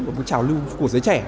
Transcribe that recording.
và một cái trào lưu của giới trẻ